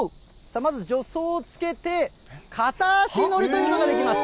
まず助走をつけて、片足乗りというのができます。